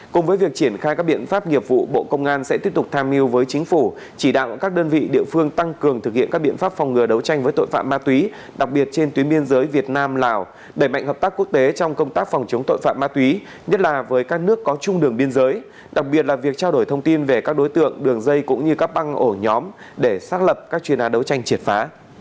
cùng với việc triển khai các biện pháp nghiệp vụ bộ công an sẽ tiếp tục tham mưu với chính phủ chỉ đạo các đơn vị địa phương tăng cường thực hiện các biện pháp phòng ngừa đấu tranh với tội phạm ma túy đặc biệt trên tuyến biên giới việt nam lào đẩy mạnh hợp tác quốc tế trong công tác phòng chống tội phạm ma túy nhất là với các nước có chung đường biên giới đặc biệt là việc trao đổi thông tin về các đối tượng đường dây cũng như các băng ở nhóm để xác lập các chuyên án đấu tranh triệt phá